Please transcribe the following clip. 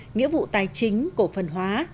nghĩa vụ tài chính cổ phần hóa